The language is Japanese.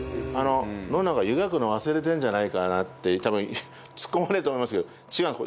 野永湯がくの忘れてんじゃないかなって多分ツッコまれると思いますけど違うんです。